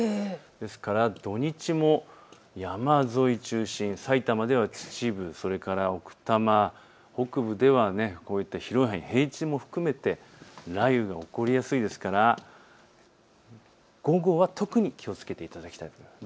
ですから土日も山沿い中心、埼玉では秩父、奥多摩、北部ではこういった広い範囲、平地も含めて雷雨が起こりやすいですから午後は特に気をつけていただきたいと思います。